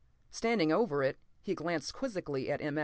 Standing over it, he glanced quizzically at M.